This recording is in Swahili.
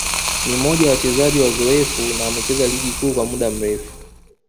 ni mmoja wa wachezaji wazoefu na wamecheza Ligi Kuu kwa muda mrefu